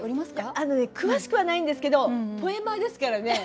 あのね詳しくはないんですけどポエマーですからね。